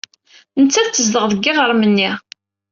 Nettat tezdeɣ deg yiɣrem-nni.